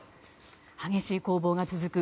激しい攻防が続く